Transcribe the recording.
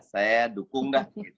saya dukung dah